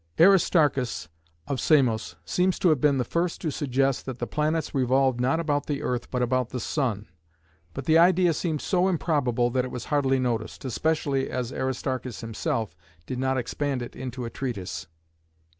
Aristarchus of Samos seems to have been the first to suggest that the planets revolved not about the earth but about the sun, but the idea seemed so improbable that it was hardly noticed, especially as Aristarchus himself did not expand it into a treatise.